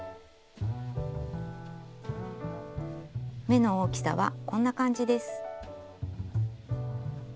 目の大きさはこんな感じです。